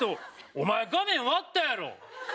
お前画面割ったやろ？